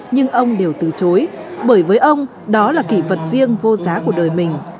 nhưng ông đều từ chối bởi với ông đó là kỷ vật riêng vô giá của đời mình